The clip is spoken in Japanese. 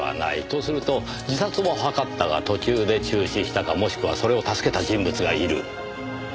とすると自殺を図ったが途中で中止したかもしくはそれを助けた人物がいる。